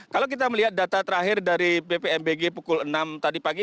kalau kita melihat data terakhir dari bpmbg pukul enam tadi pagi